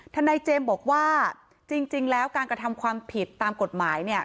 ทนายเจมส์บอกว่าจริงแล้วการกระทำความผิดตามกฎหมายเนี่ย